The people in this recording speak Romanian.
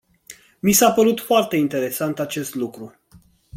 Mi s-a părut foarte interesant acest lucru.